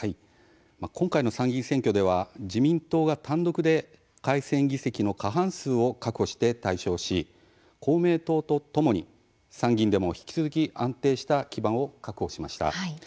今回の参議院選挙では自民党が単独で改選議席の過半数を確保して大勝し公明党とともに参議院でも引き続き安定した基盤を確保しました。